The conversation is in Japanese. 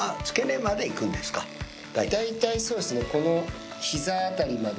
大体そうですねこの。